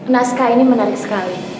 naskah ini menarik sekali